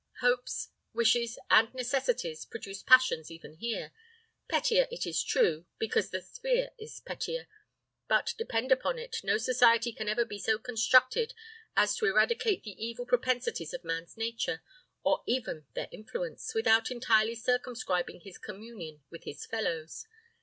Hopes, wishes, and necessities produce passions even here: pettier, it is true, because the sphere is pettier. But, depend upon it, no society can ever be so constructed as to eradicate the evil propensities of man's nature, or even their influence, without entirely circumscribing his communion with his fellows.